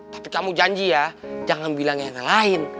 tapi kamu janji ya jangan bilang yang lain